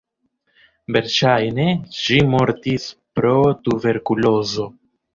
Verŝajne ŝi mortis pro tuberkulozo.